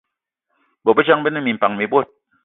Bôbejang be ne minpan mi bot